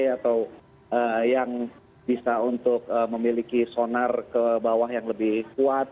atau yang bisa untuk memiliki sonar ke bawah yang lebih kuat